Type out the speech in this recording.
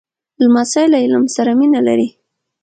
لمسی له علم سره مینه لري.